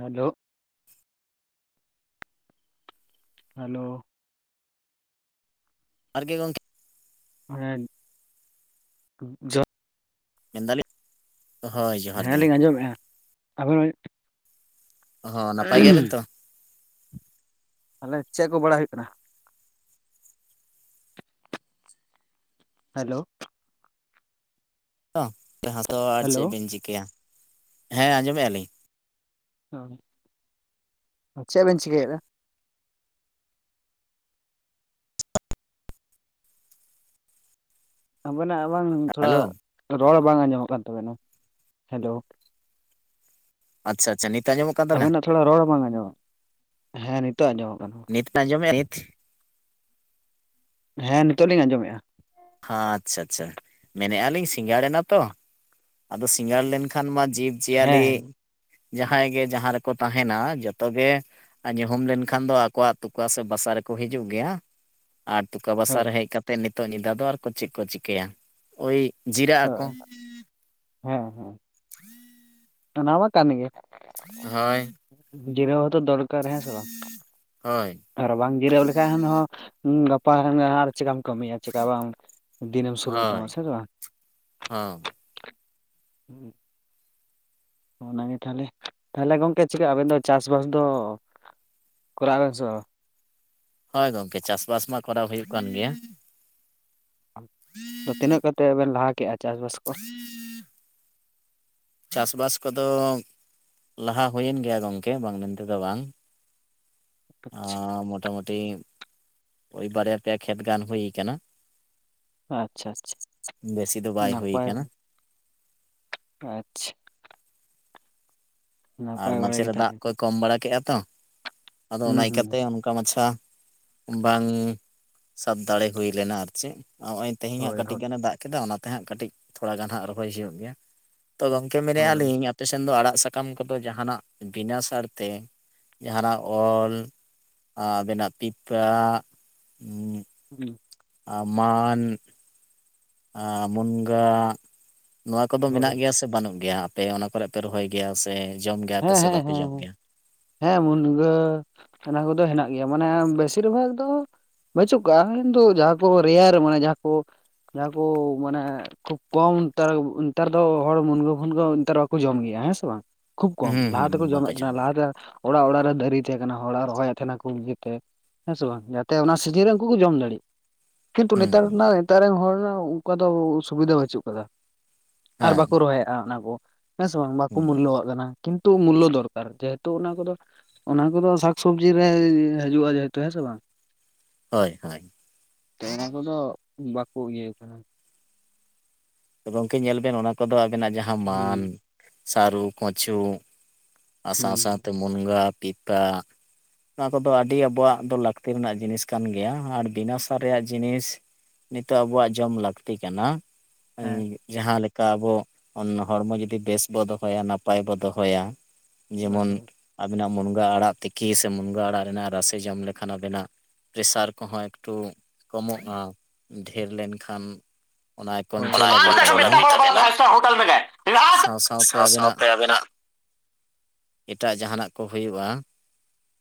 Hello. Hello. ᱟᱨᱜᱮ ᱜᱚᱝᱠᱮ ᱾ ᱦᱮᱸ ᱡᱚᱜᱼᱼ ᱢᱮᱱ ᱫᱟᱞᱤᱧᱼᱼ ᱦᱚᱭ ᱾ ᱦᱮᱸ ᱞᱤᱧ ᱟᱸᱡᱚᱢᱮᱜᱼᱟ, ᱟᱵᱤᱱᱼᱼ ᱦᱚ ᱱᱟᱯᱟᱭ ᱜᱮᱭᱟ ᱵᱤᱱ ᱛᱚ? ᱛᱟᱦᱚᱞᱮ ᱪᱮᱫ ᱠᱚ ᱵᱟᱲᱟᱭ ᱦᱩᱭᱩᱜ ᱠᱟᱱᱟ? ᱦᱮᱞᱳ ᱾ ᱛᱚᱜ ᱡᱟᱸᱦᱟ ᱫᱚ ᱟᱨ ᱪᱮᱫ ᱵᱤᱱ ᱪᱤᱠᱟᱹᱭᱟ, ᱦᱮᱸ ᱟᱸᱡᱚᱢᱮᱫ ᱟᱞᱤᱧ ᱾ ᱪᱮᱫ ᱵᱮᱱ ᱪᱤᱠᱟᱹᱭᱮᱫᱟ? ᱟᱵᱮᱱᱟᱜ ᱵᱟᱝ ᱛᱷᱚᱲᱟ ᱦᱮᱞᱳ ᱨᱚᱲ ᱵᱟᱝ ᱟᱸᱡᱚᱢᱚᱜ ᱠᱟᱱ ᱛᱟᱵᱮᱱᱟ ᱾ ᱦᱮᱞᱳᱼᱼ ᱟᱪᱪᱷᱟ ᱟᱪᱪᱷᱟ ᱱᱤᱛ ᱟᱸᱡᱚᱢᱚᱜᱼᱼ ᱟᱵᱮᱱᱟᱜ ᱛᱷᱚᱲᱟ ᱨᱚᱲ ᱵᱟᱝ ᱟᱸᱡᱚᱢᱚᱜ, ᱦᱮᱸ ᱱᱤᱛᱚᱜ ᱟᱸᱡᱚᱢᱚᱜ ᱠᱟᱱᱟ ᱾ ᱟᱸᱡᱚᱢᱮᱜ-ᱟ ᱱᱤᱛ ᱾ ᱦᱮᱸ ᱱᱤᱛᱚᱜ ᱞᱤᱧ ᱟᱸᱡᱚᱢᱮᱫᱼᱟ ᱾ ᱦᱟᱸ ᱟᱪᱪᱷᱟ ᱟᱪᱪᱷᱟ, ᱢᱮᱱᱮᱜ ᱟᱞᱤᱧ ᱥᱤᱸᱜᱟᱲ ᱮᱱᱟ ᱛᱚ ᱾ ᱟᱫᱚ ᱥᱤᱸᱜᱟᱲ ᱞᱮᱱᱠᱷᱟᱱ ᱢᱟ ᱡᱤᱵᱽ ᱡᱤᱭᱟᱞᱤᱼᱼ ᱡᱟᱦᱟᱸᱭ ᱜᱮ ᱡᱟᱦᱟᱸ ᱨᱮᱠᱚ ᱛᱟᱸᱦᱮᱱᱟ ᱡᱚᱛᱚ ᱜᱮᱼᱼ ᱟᱨ ᱧᱩᱦᱩᱢ ᱞᱮᱱᱠᱷᱟᱱ ᱫᱚ ᱟᱠᱚᱣᱟᱜ ᱛᱩᱠᱟ ᱥᱮ ᱵᱟᱥᱟ ᱨᱮᱠᱚ ᱦᱤᱡᱩᱜ ᱜᱮᱭᱟ ᱾ ᱟᱨ ᱛᱩᱠᱟ ᱵᱟᱥᱟ ᱨᱮ ᱦᱮᱡ ᱠᱟᱛᱮᱫ ᱱᱤᱛᱚᱜ ᱧᱤᱫᱟ ᱫᱚ ᱟᱨᱠᱚ ᱪᱮᱫ ᱠᱚ ᱪᱤᱠᱟᱹᱭᱟ, ᱳᱭᱼᱼ ᱦᱳᱭ [inaudible] ᱦᱮᱸ ᱦᱮᱸ ᱾ ᱚᱱᱟ ᱢᱟ ᱠᱟᱱ ᱜᱮ ᱦᱳᱭ ᱡᱤᱨᱟᱹᱣ ᱦᱚᱸᱛᱚ ᱫᱚᱨ ᱠᱟᱨ ᱦᱮᱸ ᱥᱮ ᱵᱟᱝ ᱦᱳᱭ ᱟᱨ ᱵᱟᱝ ᱡᱤᱨᱟᱹᱣ ᱞᱮᱠᱷᱟᱱ ᱦᱚᱸ ᱜᱟᱯᱟ ᱟᱨ ᱪᱮᱠᱟᱢ ᱠᱟᱹᱢᱤᱭᱟ ᱪᱮᱠᱟ ᱵᱟᱢ ᱫᱤᱱᱮᱢ ᱥᱩᱨᱩᱭ ᱛᱟᱢᱟ ᱦᱳᱭ ᱥᱮ ᱵᱟᱝ ᱦᱚᱸ ᱚᱱᱟᱜᱮ ᱛᱟᱦᱚᱞᱮ ᱛᱟᱦᱚᱞᱮ ᱜᱚᱝᱠᱮ ᱪᱤᱠᱟᱼᱟ ᱟᱵᱮᱱ ᱫᱚ ᱪᱟᱥᱵᱟᱥ ᱫᱚ ᱠᱚᱨᱟᱣ ᱵᱮᱱ ᱥᱮ ᱦᱳᱭ ᱜᱚᱝᱠᱮ ᱪᱟᱥᱵᱟᱥ ᱢᱟ ᱠᱚᱨᱟᱣ ᱦᱩᱭᱩᱜ ᱠᱟᱱ ᱜᱮᱭᱟ ᱛᱤᱱᱟᱹᱜ ᱠᱟᱛᱮ ᱵᱮᱱ ᱞᱟᱦᱟ ᱠᱮᱜᱼᱟ ᱪᱟᱥᱵᱟᱥ ᱠᱚ ᱪᱟᱥ ᱵᱟᱥ ᱠᱚᱫᱚ ᱞᱟᱦᱟ ᱦᱩᱭᱮᱱ ᱜᱮᱭᱟ ᱜᱚᱝᱠᱮ ᱵᱟᱝ ᱢᱮᱱ ᱛᱮᱫᱚ ᱵᱟᱝ ᱚ ᱢᱳᱴᱟᱢᱩᱴᱤ ᱳᱭ ᱵᱟᱨᱭᱟ ᱯᱮᱭᱟ ᱠᱷᱮᱛ ᱜᱟᱱ ᱦᱩᱭ ᱠᱟᱱᱟ ᱵᱮᱥᱤ ᱫᱚ ᱵᱟᱭ ᱦᱩᱭ ᱠᱟᱱᱟ ᱟᱪᱪᱷᱟ ᱟᱨ ᱢᱟᱪᱷᱮᱨᱮ ᱫᱟᱜ ᱠᱚᱭ ᱠᱚᱢ ᱵᱟᱲᱟ ᱠᱮᱜᱼᱟ ᱛᱚ ᱟᱫᱚ ᱚᱱᱟ ᱤᱭᱠᱟᱹᱛᱮ ᱚᱱᱠᱟ ᱢᱟᱪᱷᱟ ᱵᱟᱝ ᱥᱟᱵ ᱫᱟᱲᱮ ᱦᱩᱭ ᱞᱮᱱᱟ ᱟᱨ ᱪᱮᱫ ᱱᱚᱜ ᱚᱭ ᱛᱮᱦᱤᱧᱟᱸᱜ ᱠᱟᱹᱴᱤᱡ ᱜᱟᱱᱮ ᱫᱟᱜ ᱠᱮᱫᱟ ᱚᱱᱟᱛᱮ ᱦᱟᱸᱜ ᱠᱟᱹᱴᱤᱡ ᱛᱷᱚᱲᱟ ᱜᱟᱱ ᱦᱟᱸᱜ ᱨᱚᱦᱚᱭ ᱦᱩᱭᱩᱜ ᱜᱮᱭᱟ ᱛᱚ ᱜᱚᱢᱠᱮ ᱢᱮᱱᱮ ᱟᱞᱤᱧ ᱛᱮ ᱥᱮᱱ ᱫᱚ ᱟᱲᱟᱜ ᱥᱟᱠᱟᱢ ᱠᱚᱫᱚ ᱡᱟᱦᱟᱱᱟᱜ ᱵᱤᱱᱟᱹ ᱥᱟᱨᱛᱮ ᱡᱟᱦᱟᱱᱟᱜ ᱚᱞ ᱟᱵᱮᱱᱟᱜ ᱯᱤᱯᱟ ᱦᱩᱸ ᱟ ᱢᱟᱱ ᱢᱩᱱᱜᱟ ᱱᱚᱣᱟ ᱠᱚᱫᱚ ᱢᱮᱱᱟᱜ ᱜᱮᱭᱟ ᱥᱮ ᱵᱟᱹᱱᱩᱜ ᱜᱮᱭᱟ ᱯᱮ ᱚᱱᱟ ᱠᱚᱨᱮ ᱯᱮ ᱨᱚᱦᱚᱭ ᱜᱮᱭᱟ ᱥᱮ ᱡᱚᱢ ᱜᱮᱭᱟ ᱯᱮ ᱦᱮᱸ ᱥᱮ ᱦᱮᱸ ᱦᱮᱸ ᱵᱟᱯᱮ ᱡᱚᱢ ᱦᱮᱸ ᱜᱮᱭᱟ? ᱦᱮᱸ ᱢᱩᱱᱜᱟᱹ ᱚᱱᱟ ᱠᱚᱫᱚ ᱦᱮᱱᱟᱜ ᱜᱮᱭᱟ ᱢᱟᱱᱮ ᱵᱮᱥᱤᱨ ᱵᱷᱟᱜᱽ ᱫᱚ ᱵᱟᱹᱪᱩᱜ ᱠᱚᱣᱟᱼᱟ ᱠᱤᱱᱛᱩ ᱡᱟᱦᱟᱸ ᱠᱚ ᱨᱮᱭᱟᱲ ᱢᱟᱱᱮ ᱡᱟᱦᱟᱸ ᱠᱚ ᱡᱟᱦᱟᱸ ᱠᱚ ᱢᱟᱱᱮ ᱠᱷᱩᱵ ᱠᱚᱢ ᱱᱮᱛᱟ ᱱᱮᱛᱟᱨ ᱫᱚ ᱦᱚᱲ ᱢᱩᱱᱜᱟᱹ ᱯᱷᱱᱜᱟᱹ ᱱᱮᱛᱟᱨ ᱵᱟᱠᱚ ᱡᱚᱢ ᱜᱮᱭᱟ ᱦᱮᱸ ᱥᱮ ᱵᱟᱝ ᱠᱷᱩᱵ ᱠᱚᱢ ᱦᱩᱸ ᱞᱟᱦᱟ ᱦᱩᱸ ᱛᱮᱠᱚ ᱵᱟᱠᱚ ᱡᱚᱢᱮᱫ ᱛᱟᱦᱮᱱᱟ ᱡᱚᱢ ᱜᱮᱭᱟ ᱞᱟᱦᱟᱛᱮ ᱚᱲᱟᱜ ᱚᱲᱟᱜ ᱨᱮ ᱫᱟᱨᱮ ᱛᱟᱦᱮᱸ ᱠᱟᱱᱟ ᱦᱚᱲᱟᱜ ᱨᱚᱦᱚᱭᱮᱫ ᱛᱟᱦᱮᱱᱟ ᱵᱩᱜᱤ ᱛᱮ ᱦᱮᱸ ᱥᱮ ᱵᱟᱝ ᱡᱟᱛᱮ ᱚᱱᱟ ᱥᱤᱡᱤᱱ ᱨᱮ ᱩᱱᱠᱩ ᱠᱚ ᱡᱚᱢ ᱫᱟᱲᱮᱜ ᱠᱤᱱᱛᱩ ᱦᱩᱸ ᱱᱮᱛᱟᱨ ᱦᱩᱸ ᱱᱮᱛᱟᱨ ᱨᱮᱱ ᱦᱚᱲ ᱚᱱᱠᱟ ᱫᱚ ᱥᱩᱵᱤᱫᱷᱟ ᱵᱟᱹᱪᱩᱜ ᱠᱟᱫᱟ ᱟᱨ ᱦᱮᱸ ᱵᱟᱠᱚ ᱨᱚᱦᱚᱭᱮᱫᱼᱟ ᱚᱱᱟ ᱠᱚ ᱦᱮᱸ ᱥᱮ ᱵᱟᱝ ᱵᱟᱠᱚ ᱦᱩᱸ ᱢᱩᱞᱚᱣᱟᱜ ᱠᱟᱱᱟ ᱠᱤᱱᱛᱩ ᱢᱩᱞᱚ ᱫᱚᱨᱠᱟᱨ ᱡᱮᱦᱮᱛᱩ ᱚᱱᱟ ᱠᱚᱫᱚ ᱚᱱᱟ ᱠᱚᱫᱚ ᱥᱟᱠᱥᱚᱵᱽᱡᱤ ᱨᱮ ᱦᱤᱡᱩᱜᱼᱟ ᱡᱮᱦᱮᱛᱩ ᱦᱮᱸ ᱥᱮ ᱵᱟᱝ ᱦᱳᱭ ᱦᱳᱭ ᱛᱚ ᱚᱱᱟ ᱠᱚᱫᱚ ᱵᱟᱠᱚ ᱤᱭᱟᱹ ᱠᱟᱱᱟ ᱜᱚᱝᱠᱮ ᱧᱮᱞ ᱵᱮᱱ ᱚᱱᱟ ᱠᱚᱫᱚ ᱟᱵᱮᱱᱟᱜ ᱡᱟᱦᱟᱸ ᱢᱟᱱ ᱥᱟᱹᱨᱩ ᱠᱚᱪᱩ ᱟᱨ ᱥᱟᱶ ᱥᱟᱶᱛᱮ ᱢᱩᱱᱜᱟᱹ ᱯᱤᱯᱟ ᱱᱚᱣᱟ ᱠᱚᱫᱚ ᱟᱹᱰᱤ ᱟᱵᱚᱣᱟᱜ ᱫᱚ ᱞᱟᱹᱠᱛᱤ ᱨᱮᱱᱟᱜ ᱡᱤᱱᱤᱥ ᱠᱟᱱ ᱜᱮᱭᱟ ᱟᱨ ᱵᱤᱱᱟ ᱥᱟᱨ ᱨᱮᱭᱟᱜ ᱡᱤᱱᱤᱥ ᱱᱤᱛᱚᱜ ᱟᱵᱚᱣᱟᱜ ᱡᱚᱢ ᱞᱟᱹᱠᱛᱤ ᱠᱟᱱᱟ ᱡᱟᱦᱟᱸ ᱞᱮᱠᱟ ᱟᱵᱚ ᱦᱚᱲᱢᱚ ᱡᱩᱫᱤ ᱵᱮᱥ ᱵᱚ ᱫᱚᱦᱚᱭᱟ ᱱᱟᱯᱟᱭ ᱵᱚ ᱫᱚᱦᱚᱭᱟ ᱡᱮᱢᱚᱱ ᱟᱵᱤᱱᱟᱜ ᱢᱩᱱᱜᱟᱹ ᱟᱲᱟᱜ ᱛᱤᱠᱤ ᱥᱮ ᱢᱩᱱᱜᱟᱹ ᱟᱲᱟᱜ ᱨᱮᱱᱟᱜ ᱨᱟᱥᱮ ᱡᱚᱢ ᱞᱮᱠᱷᱟᱱ ᱟᱵᱤᱱᱟᱜ ᱯᱮᱥᱟᱨ ᱠᱚᱦᱚᱸ ᱮᱠᱴᱩ ᱠᱚᱢᱚᱜᱼᱟ ᱰᱷᱮᱨ ᱞᱮᱱᱠᱷᱟᱱ ᱚᱱᱟᱭ ᱠᱚᱱᱴᱨᱳᱞ ᱟᱹᱜᱩᱭ ᱛᱟᱵᱮᱱᱟ ᱥᱟᱶ ᱥᱟᱶᱛᱮ ᱟᱵᱤᱱᱟᱜ ᱮᱴᱟᱜ ᱡᱟᱦᱟᱱᱟᱜ ᱠᱚ ᱦᱩᱭᱩᱜᱼᱟ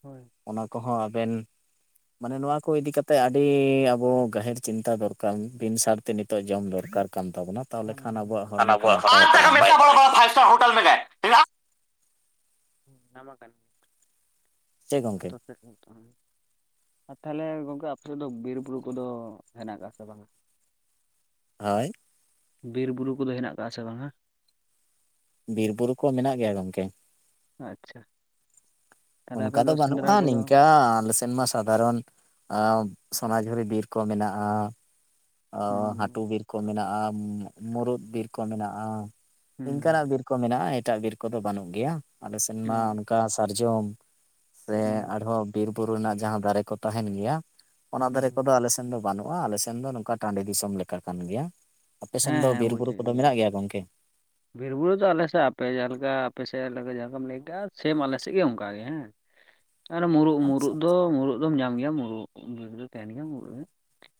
ᱦᱳᱭ ᱚᱱᱟ ᱠᱚᱦᱚᱸ ᱟᱵᱮᱱ ᱢᱟᱱᱮ ᱱᱚᱣᱟ ᱠᱚ ᱤᱫᱤ ᱠᱟᱛᱮᱜ ᱟᱹᱰᱤ ᱟᱵᱚ ᱜᱟᱹᱟᱦᱮᱨ ᱪᱤᱱᱛᱛᱟ ᱫᱚᱨᱠᱟᱨ ᱵᱤᱱ ᱥᱟᱨ ᱛᱮ ᱱᱤᱛᱚᱜ ᱡᱚᱢ ᱫᱚᱨᱠᱟᱨ ᱠᱟᱱ ᱛᱟᱵᱚᱱᱟ ᱛᱟᱦᱚᱞᱮ ᱠᱷᱟᱱ ᱟᱵᱚᱣᱟᱜ ᱦᱮᱸ ᱦᱚᱲᱢᱚ ᱠᱚ ᱟᱵᱚᱣᱟᱜ ᱱᱟᱯᱟᱭ [unintelligible] ᱛᱟᱦᱮᱱᱟ ᱱᱟᱯᱟᱭᱚᱜᱼᱟ᱾ ᱚᱱᱟᱢᱟ ᱠᱟᱱ, ᱪᱮᱜ ᱜᱚᱝᱠᱮ? ᱪᱮᱫ ᱵᱟᱱᱩᱜ ᱛᱟᱢᱟ, ᱟᱨ ᱛᱟᱦᱚᱞᱮ ᱜᱚᱝᱠᱮ ᱟᱯᱮᱫ ᱫᱚ ᱵᱤᱨ ᱵᱩᱨᱩ ᱠᱚᱫᱚ ᱦᱮᱱᱟᱜ ᱠᱟᱜᱼᱟ ᱥᱮ ᱵᱟᱝᱟ? ᱦᱳᱭ, ᱵᱤᱨ ᱵᱩᱨᱩ ᱠᱚᱫᱚ ᱦᱮᱱᱟᱜ ᱠᱟᱜᱟ ᱥᱮ ᱵᱟᱝᱟ? ᱵᱤᱨ ᱵᱩᱨᱩ ᱠᱚ ᱢᱮᱱᱟᱜ ᱜᱮᱭᱟ ᱜᱚᱝᱠᱮ᱾ ᱟᱪᱪᱷᱟ, ᱚᱱᱠᱟ ᱫᱚ ᱵᱟᱹᱱᱩᱜᱼᱟ ᱱᱤᱝᱠᱟᱹ ᱟᱞᱮᱥ ᱛᱮᱱ ᱢᱟ ᱥᱟᱫᱷᱟᱨᱚᱱ ᱟᱸ ᱥᱚᱱᱟᱡᱷᱩᱨᱤ ᱵᱤᱨ ᱠᱚ ᱢᱮᱱᱟᱜᱼᱟ᱾ ᱚ ᱦᱟᱹᱴᱚ ᱵᱤᱨ ᱠᱚ ᱢᱮᱱᱟᱜᱼᱟ ᱢᱩᱩᱨᱩᱩᱫ ᱵᱤᱨ ᱠᱚ ᱢᱮᱱᱟᱜᱼᱟ ᱤᱱᱠᱟᱱᱟᱜ ᱵᱤᱨ, ᱠᱚ ᱢᱮᱱᱟᱜᱼᱟ ᱮᱴᱟᱜ ᱵᱤᱨ ᱠᱚᱫᱚ ᱵᱟᱹᱱᱩᱜ ᱜᱮᱭᱟ ᱟᱞᱮ ᱥᱮᱱ ᱢᱟ ᱚᱱᱠᱟ ᱥᱟᱨᱡᱚᱢ, ᱥᱮ ᱟᱨᱦᱚᱸ ᱵᱤᱨ ᱵᱩᱨᱩ ᱨᱮᱱᱟᱜ ᱡᱟᱦᱟᱸ ᱫᱟᱨᱮ ᱠᱚ ᱛᱟᱦᱮᱱ ᱜᱮᱭᱟ ᱚᱱᱟ ᱫᱟᱨᱮ ᱠᱚᱫᱚ ᱟᱞᱮᱥ ᱥᱮᱱ ᱫᱚ ᱵᱟᱹᱱᱩᱜᱼᱟ ᱟᱞᱮ ᱥᱮᱱ ᱫᱚ ᱱᱚᱝᱠᱟ ᱴᱟᱺᱰᱤ ᱫᱤᱥᱚᱢ ᱞᱮᱠᱟ ᱠᱟᱱ ᱜᱮᱭᱟ᱾ ᱟᱯᱮᱥᱮᱱ ᱫᱚ ᱵᱤᱨ ᱵᱩᱨᱩ ᱠᱚᱫᱚ ᱢᱮᱱᱟᱜ ᱜᱮᱭᱟ ᱜᱚᱝᱠᱮ? ᱵᱤᱨ ᱵᱩᱨᱩ ᱫᱚ ᱟᱞᱮᱥᱮᱫ ᱟᱯᱮ ᱡᱟᱦᱟᱸ ᱞᱮᱠᱟ ᱟᱯᱮ ᱥᱮᱫ ᱡᱟᱦᱟᱸ ᱞᱮᱠᱟᱢ ᱞᱟᱹᱭᱠᱮᱜᱼᱟ ᱥᱮᱢ ᱟᱞᱮᱥᱮᱫ ᱜᱮ ᱚᱱᱠᱟᱜ ᱜᱮ ᱦᱮᱸ᱾ ᱟᱨ ᱢᱩᱨᱩᱜ ᱢᱩᱨᱩᱜ ᱟᱪᱪᱷᱟ ᱫᱚ ᱢᱩᱨᱩᱫ ᱫᱚᱢ ᱧᱟᱢ ᱜᱮᱭᱟ ᱢᱩᱨᱩᱫ ᱫᱚ ᱛᱟᱦᱮᱱ ᱜᱮᱭᱟ ᱢᱩᱨᱩᱫ ᱦᱮᱸ᱾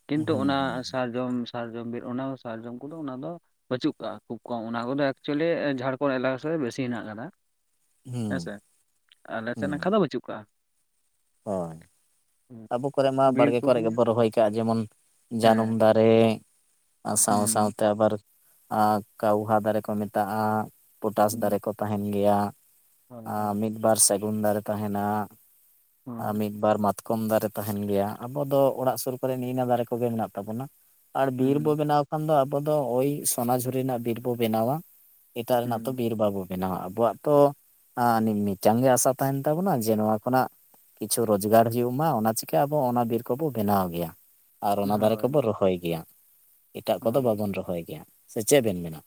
ᱠᱤᱱᱛᱩ ᱦᱩᱸ ᱚᱱᱟ ᱦᱩᱸ ᱥᱟᱨᱡᱚᱢ ᱥᱟᱨᱡᱚᱢ ᱵᱤᱨ ᱚᱱᱟ ᱥᱟᱨᱡᱚᱢ ᱠᱚᱫᱚ ᱚᱱᱟ ᱫᱚ, ᱵᱟᱹᱪᱩᱜ ᱠᱟᱜᱼᱟ ᱠᱷᱩᱵ ᱠᱚᱢ ᱚᱱᱟ ᱠᱚᱫᱚ ᱮᱠᱪᱩᱭᱮᱞᱤ ᱡᱷᱟᱲᱠᱷᱚᱸᱰ ᱮᱞᱟᱠᱟ ᱥᱮᱫ ᱵᱮᱥᱤ ᱦᱮᱱᱟᱜ ᱟᱠᱟᱫᱟ᱾ ᱦᱮᱸ ᱦᱩᱸ ᱥᱮ ᱟᱞᱮ ᱥᱮᱫ ᱦᱩᱸ ᱱᱟᱠᱷᱟ ᱫᱚ ᱵᱟᱹᱪᱩᱜ ᱠᱟᱜᱼᱟ᱾ ᱦᱳᱭ᱾ ᱟᱵᱚ ᱠᱚᱨᱮ ᱢᱟ ᱵᱟᱲᱜᱮ ᱠᱚᱨᱮ ᱜᱮᱵᱚᱱ ᱨᱚᱦᱚᱭ ᱠᱟᱜᱼᱟ ᱡᱮᱢᱚᱱ ᱡᱟᱹᱱᱩᱢ ᱫᱟᱨᱮ, ᱟᱨ ᱥᱟᱶᱼᱥᱟᱶᱛᱮ ᱟᱵᱟᱨ ᱠᱟᱣᱦᱟ ᱫᱟᱨᱮ ᱠᱚ ᱢᱮᱛᱟᱜᱼᱟ ᱯᱚᱴᱟᱥ ᱫᱟᱨᱮ ᱠᱚ᱾ ᱛᱟᱦᱮᱱ ᱜᱮᱭᱟ ᱢᱤᱫ ᱵᱟᱨ ᱥᱟᱹᱜᱩᱱ ᱫᱟᱨᱮ ᱛᱟᱦᱮᱱᱟ, ᱟᱨ ᱢᱤᱫ ᱵᱟᱨ ᱢᱟᱛᱠᱚᱢ ᱫᱟᱨᱮ ᱛᱟᱦᱮᱱ ᱜᱮᱭᱟ ᱟᱵᱚ ᱫᱚ ᱚᱲᱟᱜ ᱥᱩᱨ ᱠᱚᱨᱮ ᱱᱮᱜᱼᱤᱭᱟᱹ ᱫᱟᱨᱮ ᱠᱚᱜᱮ ᱢᱮᱱᱟᱜ ᱛᱟᱵᱚᱱᱟ᱾ ᱟᱨ ᱵᱤᱨ ᱵᱚ ᱵᱮᱱᱟᱣ ᱠᱷᱟᱱ ᱫᱚ ᱟᱵᱚ ᱫᱚ ᱳᱭ ᱥᱚᱱᱟᱡᱷᱩᱨᱤ ᱨᱮᱱᱟᱜ ᱵᱤᱨ ᱵᱚ ᱵᱮᱱᱟᱣᱟ᱾ ᱮᱴᱟᱜ ᱨᱮᱱᱟᱜ ᱛᱚ ᱵᱤᱨ ᱵᱟᱹᱵᱚᱱ ᱵᱮᱱᱟᱶᱟ ᱟᱵᱚᱣᱟᱜ ᱛᱚ ᱢᱤᱫᱴᱟᱝ ᱜᱮ ᱟᱥᱟ ᱛᱟᱦᱮᱱ ᱛᱟᱵᱚᱱᱟ ᱡᱮ ᱱᱚᱣᱟ ᱠᱷᱚᱱᱟᱜ, ᱠᱤᱪᱷᱩ ᱨᱚᱡᱽᱜᱟᱨ ᱦᱩᱭᱩᱜ ᱢᱟ ᱚᱱᱟ ᱪᱤᱠᱟᱹ ᱟᱵᱚ ᱚᱱᱟ ᱵᱤᱨ ᱠᱚᱵᱚ ᱵᱮᱱᱟᱣ ᱜᱮᱭᱟ᱾ ᱟᱨ ᱚᱱᱟ ᱫᱟᱨᱮ ᱠᱚᱵᱚ ᱨᱚᱦᱚᱭ ᱜᱮᱭᱟ᱾ ᱮᱴᱟᱜ ᱠᱚᱫᱚ ᱵᱟᱵᱚᱱ ᱨᱚᱦᱚᱭ ᱜᱮᱭᱟ ᱥᱮ ᱪᱮᱫ ᱵᱮᱱ ᱢᱮᱱᱟ?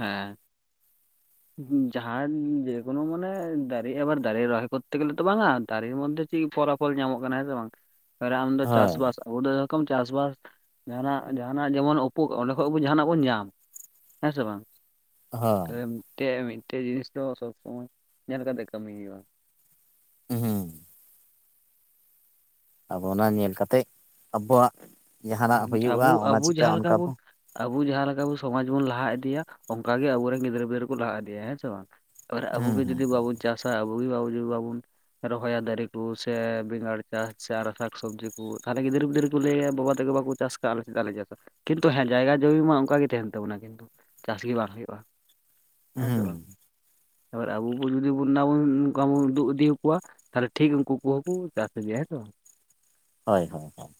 ᱦᱮᱸ, ᱡᱟᱦᱟᱱ ᱡᱮᱠᱚᱱᱳ ᱢᱟᱱᱮ ᱫᱟᱨᱮ ᱮᱵᱟᱨ ᱫᱟᱨᱮ ᱨᱚᱦᱚᱭ ᱠᱚᱫᱛᱮ ᱜᱮᱞᱮ ᱛᱚ ᱵᱟᱝᱼᱟ ᱫᱟᱨᱮ ᱢᱚᱫᱷᱮ ᱴᱷᱤᱜ ᱯᱷᱚᱞᱟᱯᱷᱚᱞ ᱧᱟᱢᱚᱜ ᱠᱟᱱᱟ ᱦᱮᱸ ᱥᱮ ᱵᱟᱝ ᱛᱟᱦᱚᱞᱮ ᱟᱢ ᱫᱚ ᱦᱳᱭ ᱪᱟᱥᱵᱟᱥ, ᱚᱰᱮ ᱨᱚᱠᱚᱢ ᱪᱟᱥᱵᱟᱥ ᱡᱟᱦᱟᱱᱟᱜ ᱡᱟᱦᱟᱱᱟᱜ ᱡᱮᱢᱚᱱ ᱩᱯᱩ ᱚᱸᱰᱮ ᱠᱷᱚᱭ ᱵᱚ ᱡᱟᱦᱟᱱᱟᱜ ᱵᱚᱱ ᱧᱟᱢ᱾ ᱦᱮᱸ ᱥᱮ ᱵᱟᱝ? ᱦᱳᱭ ᱛᱮ ᱢᱤᱫᱴᱮᱜ ᱢᱤᱫᱴᱮᱜ ᱡᱤᱱᱤᱥ ᱫᱚ ᱥᱚᱵᱽ ᱥᱚᱢᱚᱭ ᱧᱮᱞ ᱠᱟᱛᱮ ᱠᱟᱹᱢᱤ ᱦᱩᱭᱩᱜᱼᱟ᱾ ᱦᱩᱸ ᱦᱩᱸ, ᱟᱵᱚᱱᱟᱜ ᱧᱮᱞ ᱠᱟᱛᱮᱜ ᱟᱵᱚᱣᱟᱜ ᱡᱟᱦᱟᱱᱟᱜ ᱦᱩᱭᱩᱜᱼᱟ ᱚᱱᱟ ᱪᱤᱠᱟᱹ ᱚᱱᱠᱟ ᱵᱚ, ᱟᱵᱚ ᱡᱟᱦᱟᱸ ᱞᱮᱠᱟ ᱥᱚᱢᱟᱡᱽ ᱵᱚᱱ ᱞᱟᱦᱟ ᱤᱫᱤᱭᱟ ᱚᱱᱠᱟᱜᱮ ᱟᱵᱚ ᱨᱮᱱ ᱜᱤᱫᱽᱨᱟᱹ ᱯᱤᱫᱽᱟᱹᱨᱟᱹ ᱠᱚ ᱞᱟᱦᱟ ᱤᱫᱤᱭᱟ ᱦᱮᱸ ᱥᱮ ᱵᱟᱝ? ᱚᱨ ᱟᱵᱚ ᱦᱩᱸ ᱜᱮ ᱦᱩᱸ ᱡᱩᱫᱤ ᱵᱟᱵᱚᱱ ᱪᱟᱥᱟ ᱟᱵᱚ ᱜᱮ ᱡᱩᱫᱤ ᱵᱟᱵᱚᱱ, ᱨᱚᱦᱚᱭᱟ ᱫᱟᱨᱮ ᱠᱚ ᱥᱮ ᱵᱮᱸᱜᱟᱲ ᱪᱟᱥ ᱥᱮ ᱟᱨ ᱥᱟᱠ ᱥᱚᱵᱡᱤ ᱠᱚ ᱛᱟᱦᱚᱞᱮ ᱜᱤᱫᱽᱨᱟᱹ ᱯᱤᱫᱟᱹᱨᱟᱹ ᱠᱚ ᱞᱟᱹᱭᱟ ᱵᱟᱵᱟ, [unintelligible] ᱵᱟᱠᱚ ᱪᱟᱥ ᱠᱟᱜᱼᱟ ᱟᱞᱮ ᱪᱮᱫᱟᱜ ᱞᱮ ᱪᱟᱥᱟ ᱠᱤᱱᱛᱩ ᱦᱮᱸ ᱡᱟᱭᱜᱟ ᱡᱩᱢᱤ ᱢᱟ ᱚᱱᱠᱟ ᱜᱮ ᱛᱟᱦᱮᱱ ᱛᱟᱵᱚᱱᱟ ᱠᱤᱱᱛᱩ᱾ ᱪᱟᱥ ᱜᱮ ᱵᱟᱝ ᱦᱩᱭᱩᱜᱼᱟ ᱾ᱦᱮᱸ ᱥᱮ ᱦᱩᱸ ᱵᱟᱝ? ᱮᱵᱟᱨ ᱟᱵᱚ ᱵᱚ ᱡᱩᱫᱤ ᱵᱚᱱ ᱚᱱᱟᱵᱚᱱ ᱚᱱᱠᱟ ᱵᱚᱱ ᱩᱫᱩᱜ ᱤᱫᱤ ᱠᱚᱣᱟ, ᱛᱟᱦᱞᱮ ᱴᱷᱤᱠ ᱩᱱᱠᱩ ᱠᱚ ᱦᱚᱸ ᱠᱚ ᱪᱟᱥ ᱤᱫᱤᱭᱟ ᱦᱮᱸ ᱥᱮ ᱵᱟᱝ ᱦᱳᱭ ᱦᱳᱭ ᱦᱳᱭ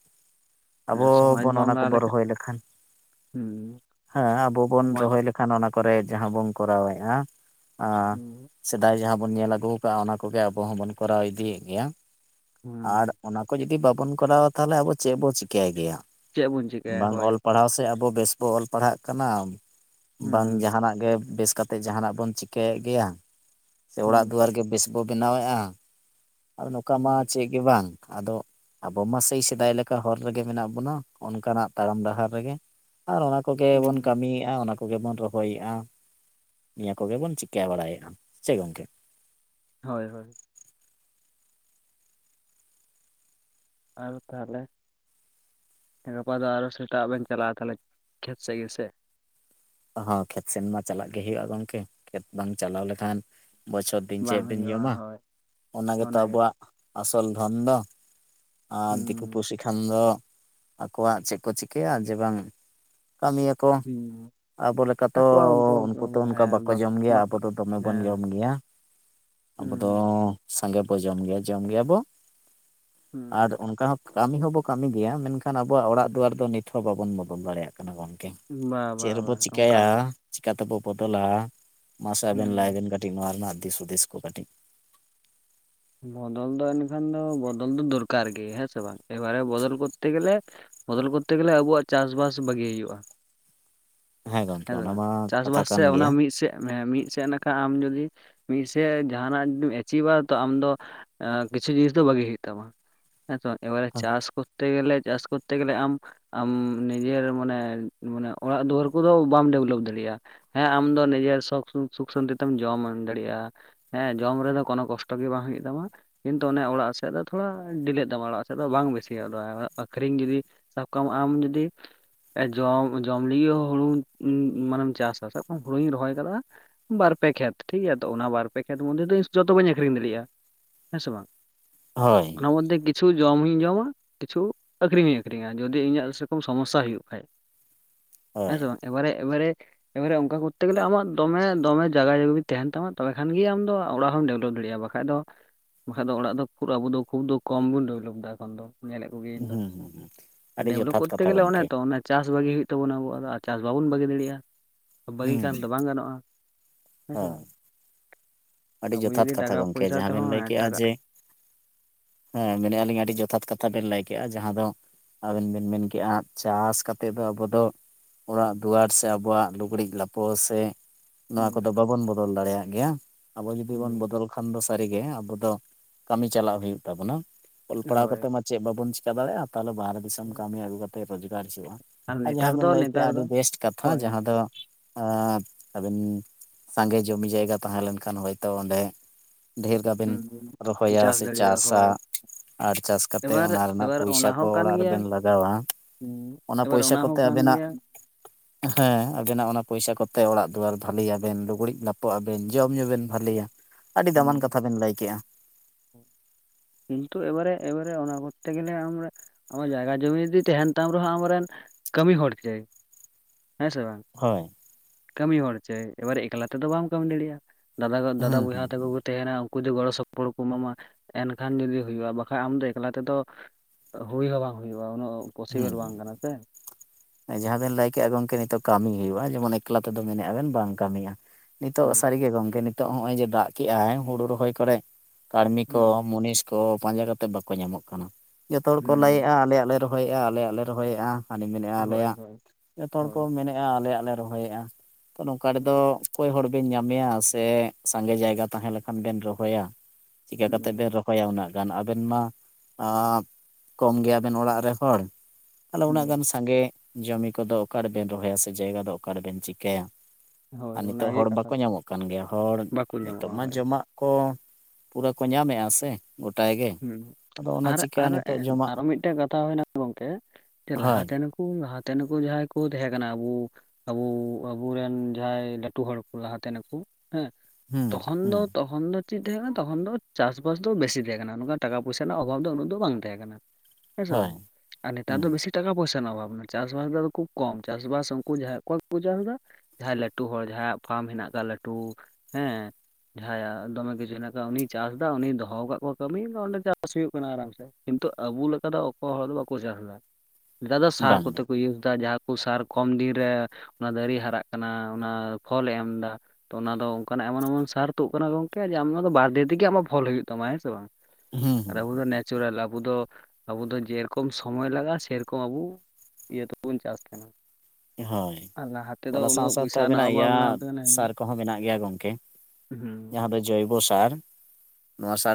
ᱟᱵᱚ ᱵᱚᱱ ᱚᱱᱟ ᱠᱚᱵᱚᱱ ᱨᱚᱦᱚᱭ ᱞᱮᱠᱷᱟᱱ ᱦᱩᱸ ᱦᱮᱸ ᱟᱵᱚ ᱵᱚᱱ ᱨᱚᱦᱚᱭ ᱞᱮᱠᱷᱟᱱ ᱚᱱᱟ ᱠᱚᱨᱮ ᱡᱟᱦᱟᱸ ᱵᱚᱱ ᱠᱚᱨᱟᱣᱮᱜᱼᱟ ᱟᱸ ᱥᱮᱫᱟᱭ ᱡᱟᱦᱟᱸ ᱵᱚᱱ ᱧᱮᱞ ᱟᱹᱜᱩ ᱟᱠᱟᱫᱼᱟ ᱚᱱᱟ ᱠᱚᱜᱮ ᱟᱵᱚ ᱦᱚᱸᱵᱚᱱ ᱠᱚᱨᱟᱣ ᱤᱫᱤᱭ ᱮᱫ ᱜᱮᱭᱟ ᱟᱨ ᱚᱱᱟ ᱠᱚ ᱡᱚᱫᱤ ᱵᱟᱵᱚᱱ ᱠᱚᱨᱟᱣᱟ ᱛᱟᱦᱚᱞᱮ ᱟᱵᱚ ᱪᱮᱫ ᱵᱚ ᱪᱮᱠᱟᱹᱭ ᱜᱮᱭᱟ ᱵᱟᱝ ᱚᱞ ᱯᱟᱲᱦᱟᱣ ᱥᱮᱫ ᱟᱵᱚ ᱵᱮᱥᱼᱼ ᱵᱚ ᱚᱞ ᱯᱟᱲᱦᱟᱜ ᱠᱟᱱᱟ ᱵᱟᱝ ᱡᱟᱦᱟᱱᱟᱜ ᱜᱮ ᱵᱮᱥ ᱠᱟᱛᱮ ᱡᱟᱦᱟᱱᱟᱜ ᱵᱚᱱ ᱪᱤᱠᱟᱹᱭ ᱮᱫ ᱜᱮᱭᱟ ᱥᱮ ᱚᱲᱟᱜ ᱫᱩᱣᱟᱹᱨ ᱜᱮ ᱵᱮᱥ ᱵᱚᱱ ᱵᱮᱱᱟᱣ ᱮᱜᱼᱟ ᱟᱫᱚ ᱱᱚᱝᱠᱟ ᱢᱟ ᱪᱮᱫ ᱜᱮ ᱵᱟᱝ ᱟᱫᱚᱼᱼ ᱟᱵᱚ ᱢᱟ ᱥᱮᱭ ᱥᱮᱫᱟᱭ ᱞᱮᱠᱟ ᱦᱚᱨ ᱨᱮᱜᱮ ᱢᱮᱱᱟᱜ ᱵᱚᱱᱟ ᱚᱱᱠᱟᱱᱟᱜ ᱛᱟᱲᱟᱢ ᱰᱟᱦᱟᱨ ᱨᱮᱜᱮ ᱟᱨ ᱚᱱᱟᱼᱼ ᱠᱚᱜᱮ ᱵᱚᱱ ᱠᱟᱹᱢᱤᱭ ᱮᱫᱼᱟ ᱚᱱᱟ ᱠᱚ ᱠᱚᱜᱮ ᱵᱚᱱ ᱨᱚᱦᱚᱭ ᱮᱫᱼᱟ ᱱᱤᱭᱟᱹ ᱠᱚ ᱜᱮ ᱵᱚᱱ ᱪᱤᱠᱟᱹ ᱵᱟᱲᱟᱭ ᱮᱫᱼᱟ ᱪᱮᱫ ᱜᱚᱝᱠᱮ ᱦᱳᱭ ᱦᱳᱭ ᱟᱫᱚ ᱛᱟᱦᱚᱞᱮ ᱜᱟᱯᱟ ᱫᱚ ᱟᱨᱚ ᱥᱮᱛᱟᱜ ᱵᱮᱱ ᱪᱟᱞᱟᱜᱼᱟ ᱛᱟᱦᱚᱞᱮ ᱠᱷᱮᱛ ᱥᱮᱫ ᱜᱮᱥᱮᱼᱼ ᱦᱚᱸ ᱠᱷᱮᱛ ᱥᱮᱱ ᱢᱟ ᱪᱟᱞᱟᱜ ᱜᱮ ᱦᱩᱭᱩᱜᱼᱟ ᱜᱚᱝᱠᱮ ᱠᱷᱮᱛ ᱵᱟᱝ ᱪᱟᱞᱟᱣ ᱞᱮᱠᱷᱟᱱ ᱵᱚᱪᱷᱚᱨ ᱟᱹᱵᱤᱱ ᱪᱮᱫ ᱵᱤᱱ ᱡᱚᱢᱟ ᱚᱱᱟ ᱜᱮᱛᱚ ᱟᱵᱚᱣᱟᱜ ᱟᱥᱚᱞ ᱫᱷᱚᱱ ᱫᱚ ᱟᱨ ᱫᱤᱠᱩ ᱯᱩᱥᱤ ᱠᱷᱟᱱ ᱫᱚᱼᱼ ᱟᱠᱚᱣᱟᱜ ᱪᱮᱫ ᱠᱚ ᱪᱤᱠᱟᱹᱭᱟ ᱡᱮ ᱵᱟᱝ ᱠᱟᱹᱢᱤᱭ ᱟᱠᱚ ᱟᱵᱚ ᱞᱮᱠᱟ ᱛᱚ ᱩᱱᱠᱩ ᱛᱚ ᱚᱱᱠᱟ ᱵᱟᱠᱚ ᱡᱚᱢ ᱜᱮᱭᱟ ᱟᱵᱚ ᱫᱚ ᱫᱚᱢᱮ ᱵᱚᱱ ᱡᱚᱢ ᱜᱮᱭᱟ ᱟᱵᱚ ᱫᱚ ᱥᱟᱸᱜᱮ ᱵᱚ ᱡᱚᱢ ᱜᱮᱭᱟ ᱡᱚᱢ ᱜᱮᱭᱟ ᱵᱚ ᱟᱨ ᱚᱱᱠᱟ ᱦᱚᱸᱼᱼ ᱠᱟᱹᱢᱤ ᱦᱚᱸᱵᱚ ᱠᱟᱹᱢᱤ ᱜᱮᱭᱟ ᱢᱮᱱ ᱠᱷᱟᱱ ᱟᱵᱚᱣᱟᱜ ᱚᱲᱟᱜ ᱫᱩᱭᱟᱹᱨ ᱫᱚ ᱱᱤᱛ ᱦᱚᱸ ᱵᱟᱵᱚᱱ ᱵᱚᱫᱚᱞ ᱫᱟᱲᱮᱭᱟᱜ ᱠᱟᱱᱟ ᱜᱚᱝᱠᱮ ᱪᱮᱜ ᱨᱮᱵᱚᱼᱼ ᱪᱤᱠᱟᱹ ᱛᱮᱵᱚ ᱵᱚᱫᱚᱞᱟ ᱢᱟᱥᱮ ᱟᱵᱮᱱ ᱞᱟᱹᱭ ᱵᱮᱱ ᱠᱟᱹᱴᱤᱡ ᱱᱚᱣᱟ ᱨᱮᱱᱟᱜ ᱫᱤᱥ ᱦᱩᱫᱤᱥ ᱠᱚ ᱠᱟᱹᱴᱤᱡ ᱵᱚᱫᱚᱞ ᱫᱚ ᱮᱱᱠᱷᱟᱱ ᱫᱚ ᱵᱚᱫᱚᱞ ᱫᱚ ᱫᱚᱨᱠᱟᱨ ᱜᱮ ᱦᱮᱸ ᱥᱮ ᱵᱟᱝ ᱮᱵᱟᱨᱮ ᱵᱚᱫᱚᱞ ᱠᱚᱨᱛᱮ ᱜᱮᱞᱮᱼᱼ ᱵᱚᱫᱚᱞ ᱠᱚᱨᱛᱮ ᱜᱮᱞᱮ ᱟᱵᱚᱣᱟᱜ ᱪᱟᱥ ᱵᱟᱥ ᱵᱟᱜᱤ ᱦᱩᱭᱩᱜᱼᱟ ᱜᱚᱢᱠᱮ ᱦᱮᱸ ᱥᱮ ᱚᱱᱟ ᱵᱟᱝ ᱢᱟ ᱪᱟᱥ ᱠᱟᱛᱷᱟ ᱵᱟᱥ ᱠᱟᱱ ᱥᱮᱫ ᱚᱱᱟ ᱜᱮᱭᱟ ᱢᱤᱫ ᱥᱮᱫ ᱢᱤᱫ ᱥᱮᱱᱼᱼ ᱟᱢ ᱡᱚᱫᱤ ᱢᱤᱫ ᱥᱮᱫ ᱡᱟᱦᱟᱱᱟᱜ ᱡᱩᱫᱤᱢ ᱮᱪᱤᱵᱟ ᱛᱚ ᱟᱢ ᱫᱚᱼᱼ ᱟᱸ ᱠᱤᱪᱷᱩ ᱡᱤᱱᱤᱥ ᱫᱚ ᱵᱟᱹᱜᱤ ᱦᱩᱭᱩᱜ ᱛᱟᱢᱟ ᱦᱮᱸᱛᱚ ᱮᱵᱟᱨᱮ ᱪᱟᱥ ᱠᱚᱨᱛᱮ ᱜᱮᱞᱮ ᱪᱟᱥ ᱠᱚᱼᱼ ᱛᱮ ᱜᱮᱞᱮ ᱟᱢ ᱟᱢ ᱱᱤᱡᱮᱨ ᱢᱟᱱᱮ ᱢᱟᱱᱮ ᱚᱲᱟᱜ ᱫᱩᱣᱟᱹᱨ ᱩᱱᱫᱚ ᱵᱟᱢ ᱰᱮᱵᱷᱞᱚᱯ ᱫᱟᱲᱮᱭᱟᱜᱼᱟ ᱦᱮᱸ ᱟᱢᱫᱚ ᱱᱤᱡᱮᱨ ᱥᱚᱠ ᱥᱩᱠ ᱥᱟᱱᱛᱤ ᱛᱮᱢ ᱡᱚᱢ ᱫᱟᱲᱮᱭᱟᱜᱼᱟ ᱦᱮᱸ ᱡᱚᱢ ᱨᱮ ᱫᱚ ᱠᱳᱱᱳ ᱠᱚᱥᱴᱚ ᱜᱮ ᱵᱟᱝ ᱦᱩᱭᱩᱜ ᱛᱟᱢᱟ ᱠᱤᱱᱛᱩ ᱚᱱᱮ ᱚᱲᱟᱜ ᱥᱮᱫ ᱫᱚ ᱛᱷᱚᱲᱟ ᱰᱤᱞᱟᱹᱜ ᱛᱟᱢᱟ ᱚᱲᱟᱜ ᱥᱮᱫ ᱫᱚ ᱵᱟᱝ ᱵᱮᱥᱤ ᱫᱚ ᱟᱹᱠᱷᱨᱤᱧ ᱡᱩᱫᱤᱼᱼ ᱥᱟᱵ ᱠᱟᱜ ᱢᱮ ᱟᱢ ᱡᱩᱫᱤ ᱡᱚᱢ ᱡᱚᱢ ᱞᱟᱹᱜᱤᱫ ᱦᱚᱸ ᱦᱩᱲᱩ ᱢᱟᱱᱮᱢ ᱪᱟᱥᱟ ᱥᱟᱵ ᱠᱟᱜ ᱢᱮ ᱦᱩᱲᱩᱧ ᱨᱚᱦᱚᱭ ᱟᱠᱟᱫᱟ ᱵᱟᱨ ᱯᱮ ᱠᱷᱮᱛ ᱴᱷᱤᱠ ᱜᱮᱭᱟ ᱛᱚ ᱚᱱᱟ ᱵᱟᱨ ᱯᱮ ᱠᱷᱮᱛ ᱢᱚᱫᱽᱫᱷᱮ ᱫᱚ ᱡᱚᱛᱚ ᱵᱟᱹᱧ ᱟᱠᱷᱨᱤᱧ ᱫᱟᱲᱮᱭᱟᱜᱼᱟ ᱦᱮᱸ ᱥᱮ ᱵᱟᱝ ᱦᱳᱭ ᱚᱱᱟ ᱢᱚᱫᱷᱮ ᱠᱤᱪᱷᱩ ᱡᱚᱢ ᱦᱚᱸᱧ ᱡᱚᱢᱟ ᱠᱤᱪᱷᱩ ᱟᱹᱠᱷᱨᱤᱧ ᱦᱚᱸᱧ ᱟᱹᱠᱷᱨᱤᱧᱟ ᱡᱩᱫᱤ ᱤᱧᱟᱹᱜ ᱥᱮᱨᱚᱠᱚᱢ ᱥᱚᱢᱚᱥᱟ ᱦᱩᱭᱩᱜ ᱠᱷᱟᱡ ᱦᱮᱸ ᱦᱳᱭ ᱥᱮ ᱵᱟᱝ ᱮᱵᱟᱨᱮ ᱮᱵᱟᱨᱮᱼᱼ ᱮᱵᱟᱨᱮ ᱚᱱᱠᱟ ᱠᱚᱨᱛᱮ ᱜᱮᱞᱮ ᱟᱢᱟᱜ ᱫᱚᱢᱮ ᱫᱚᱢᱮ ᱡᱟᱭᱜᱟ ᱡᱚᱢᱤ ᱛᱟᱦᱮᱱ ᱛᱟᱢᱟ ᱛᱚᱵᱮ ᱠᱷᱟᱱ ᱜᱮ ᱟᱢ ᱫᱚ ᱚᱲᱟᱜ ᱦᱚᱢ ᱰᱮᱵᱷᱞᱚᱯ ᱫᱟᱲᱮᱭᱟᱜᱼᱟ ᱵᱟᱠᱷᱟᱱᱼᱼ ᱵᱟᱠᱷᱟᱡ ᱫᱚ ᱵᱟᱠᱷᱟᱡ ᱫᱚ ᱚᱲᱟᱜ ᱫᱚ ᱯᱩᱨᱟ ᱟᱵᱚ ᱫᱚ ᱠᱷᱩᱵ ᱫᱚ ᱠᱚᱢ ᱵᱚᱱ ᱰᱮᱵᱷᱞᱚᱯ ᱮᱫᱟ ᱮᱠᱷᱚᱱ ᱫᱚ ᱧᱮᱞᱮᱫ ᱠᱚ ᱜᱮᱭᱟᱹᱧ ᱦᱩᱸ ᱛᱚ ᱦᱩᱸ ᱦᱩᱸ ᱟᱹᱰᱤ ᱰᱮᱵᱷᱞᱚᱯ ᱡᱚᱛᱷᱟᱛ ᱠᱚᱨᱛᱮ ᱠᱟᱛᱷᱟ ᱜᱮᱞᱮ ᱚᱱᱮ ᱜᱚᱢᱠᱮ ᱛᱚ ᱚᱱᱮᱼᱼ ᱪᱟᱥ ᱵᱟᱹᱜᱤ ᱦᱩᱭᱩᱜ ᱛᱟᱵᱚᱱᱟ ᱟᱵᱚᱣᱟᱜ ᱫᱚ ᱟᱨ ᱪᱟᱥ ᱵᱟᱵᱚᱱ ᱵᱟᱹᱜᱤ ᱫᱟᱲᱮᱭᱟᱜᱼᱟ ᱵᱟᱹᱜᱤ ᱦᱩᱸ ᱠᱷᱟᱱ ᱫᱚ ᱵᱟᱝ ᱜᱟᱱᱚᱜᱼᱟ ᱦᱮᱸ ᱥᱮ ᱦᱳᱭ ᱵᱟᱝ? ᱟᱹᱰᱤ ᱟᱵᱚ ᱡᱚᱛᱷᱟᱛ ᱡᱩᱫᱤ ᱠᱟᱛᱷᱟ ᱴᱟᱠᱟ ᱜᱚᱢᱠᱮ ᱯᱚᱭᱥᱟ ᱡᱟᱦᱟᱸ ᱵᱮᱱ ᱛᱮᱦᱚᱸ ᱞᱟᱹᱭ ᱠᱮᱜᱼᱟ ᱮᱴᱟᱜᱟᱜ ᱡᱮ ᱦᱮᱸ ᱢᱮᱱᱮ ᱟᱞᱤᱧ ᱟᱹᱰᱤ ᱡᱚᱛᱷᱟᱛ ᱠᱟᱛᱷᱟ ᱵᱮᱱ ᱞᱟᱹᱭ ᱠᱮ-ᱟ ᱡᱟᱦᱟᱸ ᱫᱚ ᱟᱵᱮᱱ ᱵᱮᱱ ᱢᱮᱱ ᱠᱮᱜᱼᱟ ᱪᱟᱥ ᱠᱟᱛᱮᱫ ᱫᱚ ᱟᱵᱚ ᱫᱚ ᱚᱲᱟᱜ ᱫᱩᱣᱟᱹᱨ ᱥᱮ ᱟᱵᱚᱣᱟᱜ ᱞᱩᱜᱲᱤᱡ ᱞᱟᱯᱚ ᱥᱮ ᱱᱚᱣᱟ ᱠᱚᱫᱚ ᱵᱟᱵᱚᱱ ᱵᱚᱫᱚᱞ ᱫᱟᱲᱮᱭᱟᱜ ᱜᱮᱭᱟ, ᱟᱵᱚ ᱡᱩᱫᱤ ᱵᱚᱱ ᱵᱚᱫᱚᱞ ᱠᱷᱟᱱ ᱫᱚ ᱥᱟᱹᱨᱤ ᱜᱮ ᱟᱵᱚ ᱫᱚ ᱠᱟᱹᱢᱤ ᱪᱟᱞᱟᱜ ᱦᱩᱭᱩᱜ ᱛᱟᱵᱚᱱᱟ, ᱚᱞ ᱯᱟᱲᱦᱟᱣ ᱠᱟᱛᱮ ᱢᱟ ᱪᱮᱫ ᱵᱟᱵᱚᱱ ᱪᱮᱠᱟ ᱫᱟᱲᱮᱭᱟᱜᱼᱟ, ᱛᱟᱦᱚᱞᱮ ᱵᱟᱦᱨᱮ ᱫᱤᱥᱚᱢ ᱠᱟᱹᱢᱤ ᱟᱹᱜᱩ ᱠᱟᱛᱮ ᱨᱚᱡᱽᱜᱟᱨ ᱦᱤᱡᱩᱜᱼᱟ᱾ ᱟᱨ ᱡᱟᱦᱟᱸ ᱵᱮᱱ ᱞᱟᱹᱭ ᱠᱮᱜᱼᱟ ᱟᱹᱰᱤ ᱵᱮᱥᱴ ᱠᱟᱛᱷᱟ ᱡᱟᱦᱟᱸ ᱫᱚ ᱟᱨ ᱟᱹᱵᱤᱱ ᱥᱟᱸᱜᱮ ᱡᱚᱢᱤ ᱡᱟᱭᱜᱟ ᱛᱟᱦᱮᱸ ᱞᱮᱱᱠᱷᱟᱱ ᱦᱚᱭᱛᱳ ᱚᱸᱰᱮ ᱰᱷᱮᱨ ᱜᱟ ᱵᱮᱱ ᱨᱚᱦᱚᱭᱟ ᱥᱮ ᱪᱟᱥᱟ᱾ ᱟᱨ ᱪᱟᱥ ᱠᱟᱛᱮ ᱚᱱᱟ ᱨᱮᱱᱟᱜ ᱯᱚᱭᱥᱟ ᱠᱚ ᱚᱲᱟᱜ ᱨᱮᱵᱮᱱ ᱞᱟᱜᱟᱣᱟ᱾ ᱚᱱᱟ ᱯᱚᱭᱥᱟ ᱠᱚᱛᱮ ᱟᱵᱮᱱᱟᱜ ᱦᱮᱸ ᱟᱵᱤᱱᱟᱜ ᱚᱱᱟ ᱯᱚᱭᱥᱟ ᱠᱚᱛᱮ ᱚᱲᱟᱜ ᱫᱩᱣᱟᱹᱨ ᱵᱷᱟᱞᱤᱭᱟᱵᱮᱱ, ᱞᱩᱜᱽᱲᱤᱡ ᱞᱟᱯᱚᱜ ᱟᱵᱮᱱ, ᱡᱚᱢ ᱧᱩ ᱵᱮᱱ ᱵᱷᱟᱹᱞᱮᱭᱟ, ᱟᱹᱰᱤ ᱫᱟᱢᱟᱱ ᱠᱟᱛᱷᱟ ᱵᱮᱱ ᱞᱟᱹᱭ ᱠᱮᱜᱼᱟ᱾ ᱠᱤᱱᱛᱩ ᱮᱵᱟᱨᱮ ᱮᱵᱟᱨᱮ ᱚᱱᱟ ᱠᱚᱨᱛᱮ ᱜᱮᱞᱮ ᱟᱢ ᱟᱢᱟᱜ ᱡᱟᱭᱜᱟ ᱡᱚᱢᱤ ᱡᱩᱫᱤ ᱛᱟᱦᱮᱱ ᱛᱟᱢ ᱨᱮᱦᱚᱸ ᱟᱢᱚᱨᱮᱱ ᱠᱟᱹᱢᱤ ᱦᱚᱲ ᱪᱟᱹᱭ, ᱦᱮᱸ ᱥᱮ ᱵᱟᱝ? ᱦᱳᱭ᱾ ᱠᱟᱹᱢᱤ ᱦᱚᱲ ᱪᱟᱭ, ᱮᱵᱟᱨᱮ ᱮᱠᱞᱟ ᱛᱮᱫᱚ ᱵᱟᱢ ᱠᱟᱹᱢᱤ ᱫᱟᱲᱮᱭᱟᱜᱼᱟ, ᱫᱟᱫᱟ ᱫᱟᱫᱟ ᱦᱩᱸ ᱵᱚᱭᱦᱟ ᱦᱩᱸ ᱛᱟᱠᱚ ᱠᱚ ᱛᱟᱦᱮᱱᱟ᱾ ᱠᱩ ᱡᱩᱫᱤ ᱜᱚᱲᱚ ᱥᱚᱯᱚᱦᱚᱫ ᱠᱚ ᱮᱢᱟᱢᱟ ᱮᱱᱠᱷ ᱠᱷᱟᱱ ᱡᱩᱫᱤ ᱦᱩᱭᱩᱜᱼᱟ ᱵᱟᱠᱟᱱ ᱟᱢ ᱫᱚ ᱮᱠᱞᱟ ᱛᱮᱫᱚ ᱦᱩᱭ ᱦᱚᱸ ᱵᱟᱝ ᱦᱩᱭᱩᱜᱼᱟ ᱩᱱᱟᱜ ᱦᱩᱸ ᱦᱩᱸ ᱦᱩᱸ᱾ ᱡᱟᱦᱟᱸ ᱵᱮᱱ ᱞᱟᱹᱭ ᱠᱮᱜᱼᱟ ᱜᱚᱝᱠᱮ ᱱᱤᱛᱳᱜ ᱠᱟᱹᱢᱤ ᱦᱩᱭᱩᱜᱼᱟ᱾ ᱡᱮᱢᱚᱱ ᱮᱠᱞᱟ ᱛᱮᱫᱚ ᱢᱮᱱᱮᱫᱼᱟ ᱵᱮᱱ ᱵᱟᱝ ᱠᱟᱹᱢᱤ-ᱟ᱾ ᱱᱤᱛᱚᱜ ᱥᱟᱹᱨᱤ ᱜᱮ ᱜᱚᱝᱠᱮ ᱱᱤᱛᱚᱜ ᱦᱚᱜᱼᱚᱭ ᱡᱮ ᱫᱟᱜ ᱠᱮᱜ-ᱟᱭ ᱦᱩᱲᱩ ᱨᱚᱦᱚᱭ ᱠᱚᱨᱮ ᱠᱟᱹᱲᱢᱤ ᱠᱚ ᱢᱩᱱᱤᱥ ᱛᱚ ᱯᱟᱸᱡᱟ ᱠᱟᱛᱮᱫ ᱵᱟᱠᱚ ᱧᱟᱢᱚᱜ ᱠᱟᱱᱟ᱾ ᱡᱚᱛᱚ ᱦᱚᱲᱠᱚ ᱞᱟᱹᱭᱮᱫᱼᱟ ᱟᱞᱮᱭᱟᱜ ᱞᱮ ᱨᱚᱦᱚᱭᱮᱫᱼᱟ, ᱟᱞᱮᱭᱟᱜ ᱞᱮ ᱨᱚᱦᱚᱭᱮᱫᱼᱟ᱾ ᱦᱟᱱᱤ ᱢᱮᱱᱮᱫᱼᱟ ᱟᱞᱮᱭᱟᱜ, ᱡᱚᱛᱚ ᱦᱚᱲ ᱠᱚ ᱢᱮᱱᱮᱫᱼᱟ ᱟᱞᱮᱭᱟᱜ ᱞᱮ ᱨᱚᱦᱚᱭᱮᱫᱼᱟ, ᱛᱚ ᱱᱚᱝᱠᱟ ᱨᱮᱫᱚ ᱚᱠᱚᱭ ᱦᱚᱲ ᱵᱮᱱ ᱧᱟᱢᱮᱭᱟ ᱥᱮ ᱥᱟᱸᱜᱮ ᱡᱟᱭᱜᱟ ᱛᱟᱦᱮᱸ ᱞᱮᱠᱷᱟᱱ ᱵᱮᱱ ᱨᱚᱦᱚᱭᱟ᱾ ᱪᱤᱠᱟ ᱠᱟᱛᱮᱜ ᱵᱮᱱ ᱨᱚᱦᱚᱭᱟ ᱩᱱᱟᱹᱜ ᱜᱟᱱ ᱟᱵᱮᱱ ᱢᱟ ᱟ ᱠᱚᱢ ᱜᱮᱭᱟᱵᱮᱱ ᱚᱲᱟᱜ ᱨᱮ᱾ ᱦᱚᱲ, ᱛᱟᱦᱚᱞᱮ ᱩᱱᱟᱹᱜ ᱜᱟᱱ ᱥᱟᱸᱜᱮ ᱦᱚ ᱡᱚᱢᱤ ᱠᱚᱫᱚ ᱚᱠᱟᱨᱮᱵᱮᱱ ᱨᱚᱦᱚᱭᱟ ᱥᱮ ᱡᱟᱭᱜᱟ ᱫᱚ ᱚᱠᱟᱨᱮᱵᱮᱱ ᱪᱤᱠᱟᱹᱭᱟ᱾ ᱟᱨ ᱱᱤᱛᱳᱜ ᱦᱚᱲ ᱵᱟᱠᱚ ᱧᱟᱢᱚᱜ ᱠᱟᱱ ᱜᱮᱭᱟ, ᱦᱚᱲ ᱱᱤᱛᱚᱜᱜ ᱢᱟ ᱡᱚᱢᱟᱜ ᱠᱚ ᱯᱩᱨᱟᱹ ᱠᱚ ᱧᱟᱢᱮᱫᱼᱟ ᱥᱮ᱾ ᱜᱚᱴᱟᱭ ᱜᱮ᱾ ᱦᱩᱸ ᱟᱫᱚ ᱚᱱᱟ ᱟᱨ ᱪᱤᱠᱟ ᱟᱨ ᱱᱤᱛᱚᱜ ᱮᱸ ᱡᱚᱢᱟᱜ ᱟᱨᱦᱚᱸ ᱢᱤᱫᱴᱮᱱ ᱠᱟᱛᱷᱟ ᱦᱩᱭᱱᱟ ᱜᱚᱝᱠᱮ ᱡᱮ ᱞᱟᱦᱟ ᱦᱳᱭ ᱛᱮᱱ ᱠᱩᱸ ᱞᱟᱦᱟ ᱛᱮᱱ ᱠᱩᱸ ᱡᱟᱦᱟᱸᱭ ᱠᱚ ᱛᱟᱦᱮᱸ ᱠᱟᱱᱟ ᱟᱵᱩᱸ ᱟᱵᱩᱸ ᱟᱵᱚᱨᱮᱱ ᱡᱟᱦᱟᱸᱭ ᱞᱟᱹᱴᱩ ᱦᱚᱲ ᱠᱚ, ᱞᱟᱦᱟᱛᱮ ᱱᱟᱠᱩᱸ ᱦᱮᱸ᱾ ᱦᱩᱸ ᱛᱚᱠᱷᱚᱱ ᱫᱚ ᱦᱩᱸ ᱛᱚᱠᱷᱚᱱ ᱫᱚ ᱪᱮᱫ ᱛᱟᱦᱮᱸ ᱠᱟᱱᱟ ᱛᱚᱠᱷᱚᱱ ᱫᱚ ᱪᱟᱥᱵᱟᱥ ᱫᱚ ᱵᱮᱥᱤ ᱛᱟᱦᱮᱸ ᱠᱟᱱᱟ ᱱᱚᱝᱠᱟ ᱴᱟᱠᱟ ᱯᱚᱭᱥᱟ ᱨᱮᱱᱟᱜ ᱚᱵᱷᱟᱵ ᱫᱚ ᱩᱱᱟᱹᱜ ᱫᱚ ᱵᱟᱝ ᱛᱟᱦᱮᱸ ᱠᱟᱱᱟ᱾ ᱦᱮᱸᱥᱮ ᱵᱟᱝ ᱦᱳᱭ ᱟᱨ ᱱᱮᱛᱟᱨ ᱫᱚ ᱦᱩᱸ ᱵᱤᱥᱤ ᱴᱟᱠᱟ ᱯᱚᱭᱥᱟ ᱨᱮᱱᱟᱜ ᱚᱵᱷᱟᱵ ᱢᱮᱱᱟ᱾ ᱪᱟᱥᱵᱟᱥ ᱫᱚ ᱟᱫᱚ ᱠᱷᱩᱵ ᱠᱚᱢ, ᱪᱟᱥᱵᱟᱥ ᱩᱱᱠᱩ ᱡᱟᱦᱟᱸᱭ ᱟᱠᱚᱣᱟᱜ ᱜᱮᱠᱚ ᱪᱟᱥ ᱫᱟ᱾ ᱡᱟᱦᱟᱸᱭ ᱞᱟᱹᱴᱩ ᱦᱚᱲ ᱡᱟᱦᱟᱸᱭᱟᱜ ᱯᱷᱟᱢ ᱦᱮᱱᱟᱜ ᱠᱟᱜ-ᱥ, ᱞᱟᱹᱴᱩ ᱦᱮᱸ᱾ ᱡᱟᱦᱟᱸᱭᱟᱜ ᱫᱚᱢᱮ ᱠᱤᱪᱷᱩ ᱦᱮᱱᱟᱜ ᱠᱟᱜ-ᱟ ᱩᱱᱤ ᱪᱟᱥ ᱫᱟ ᱩᱱᱤᱭ ᱫᱚᱦᱚ ᱠᱟᱫ ᱠᱚᱣᱟ᱾ ᱠᱟᱹᱢᱤ ᱢᱟ ᱚᱸᱰᱮ ᱪᱟᱥ ᱦᱩᱭᱩᱜ ᱠᱟᱱᱟ ᱟᱨᱟᱢ ᱥᱮ ᱠᱤᱱᱛᱩ ᱟᱵᱩ ᱞᱮᱠᱟ ᱫᱚ ᱚᱠᱚᱭ ᱦᱚᱲ ᱫᱚ ᱵᱟᱠᱚ ᱪᱟᱥ ᱫᱟ᱾ ᱱᱮᱛᱟᱨ ᱫᱚ ᱥᱟᱨ ᱵᱟᱝ ᱠᱚᱛᱮ ᱠᱚ ᱤᱨ ᱫᱟ ᱡᱟᱦᱟᱸ ᱠᱩᱸ ᱥᱟᱨ ᱠᱚᱢ ᱫᱤᱱ ᱨᱮ ᱚᱱᱟ ᱫᱟᱨᱮ ᱦᱟᱨᱟᱜ ᱠᱟᱱᱟ, ᱚᱱᱟ ᱯᱷᱚᱞᱮ ᱮᱢ ᱫᱟ᱾ ᱛᱚ ᱚᱱᱟ ᱫᱚ ᱚᱱᱠᱟᱱᱟᱜ ᱮᱢᱚᱱ ᱮᱢᱚᱱ ᱥᱟᱨ ᱛᱩᱫ ᱠᱟᱱᱟ ᱜᱚᱝᱠᱮ ᱡᱮ ᱟᱢ ᱚᱱᱟ ᱫᱚ ᱵᱟᱨ ᱫᱤᱱ ᱛᱮᱜᱮ ᱟᱢᱟᱜ ᱯᱷᱚᱞ ᱦᱩᱭᱩᱜ ᱛᱟᱢᱟ, ᱦᱮᱸ ᱥᱮ ᱵᱟᱝ? ᱦᱩᱸ ᱟᱨ ᱦᱩᱸ ᱟᱵᱚ ᱫᱚ ᱱᱮᱪᱟᱨᱮᱞ ᱟᱵᱚ ᱫᱚ ᱟᱵᱚ ᱫᱚ ᱡᱮᱨᱚᱠᱚᱢ ᱥᱚᱢᱚᱭ ᱞᱟᱜᱟᱜᱼᱟ ᱥᱮᱨᱚᱠᱚᱢ ᱟᱵᱩ ᱤᱭᱟᱹ ᱛᱮᱵᱚᱱ ᱪᱟᱥ ᱠᱟᱱᱟ ᱦᱳᱭ ᱟᱨ ᱞᱟᱦᱟ ᱛᱮᱫᱚ ᱚᱱᱟ ᱥᱟᱶ ᱩᱱᱟᱹᱜ ᱥᱟᱶᱛᱮ ᱯᱚᱭᱥᱟ ᱨᱮᱱᱟᱜ ᱟᱵᱤᱱᱟᱜ ᱚᱵᱷᱟᱵᱽ ᱤᱭᱟᱹ [inaudible] ᱥᱟᱨ ᱠᱚᱦᱚᱸ ᱢᱮᱱᱟᱜ ᱜᱮᱭᱟ ᱜᱚᱢᱠᱮ ᱦᱩᱸ ᱡᱟᱦᱟᱸ ᱫᱚ ᱡᱚᱭᱵᱚ ᱥᱟᱨ ᱱᱚᱣᱟ ᱥᱟᱨ,